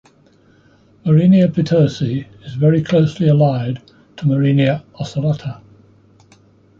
"Morenia petersi" is very closely allied to "Morenia ocellata".